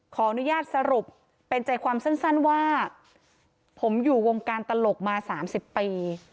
ขออนุญาตสรุปเป็นใจความสั้นว่าผมอยู่วงการตลกมา๓๐ปี